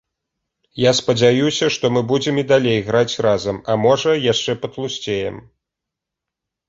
Я спадзяюся, што мы будзем і далей граць разам, а можа, яшчэ патлусцеем.